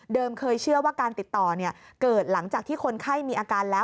เคยเชื่อว่าการติดต่อเกิดหลังจากที่คนไข้มีอาการแล้ว